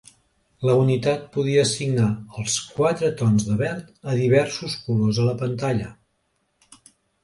La unitat podia assignar els quatre tons de verd a diversos colors a la pantalla.